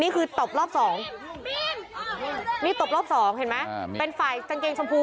ตบรอบสองนี่ตบรอบสองเห็นไหมเป็นฝ่ายกางเกงชมพู